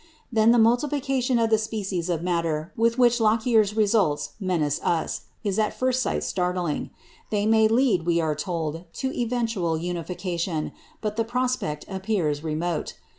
Then the multiplication of the species of matter with which Lockyer's results menace us, is at first sight startling. They may lead, we are told, to eventual unification, but the prospect appears remote.